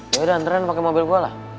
yaudah antren pake mobil gue lah